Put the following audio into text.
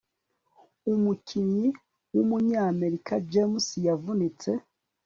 umukinnyi w'umunyamerika james yavunitse